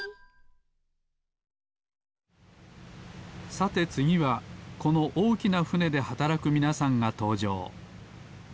さてつぎはこのおおきなふねではたらくみなさんがとうじょう。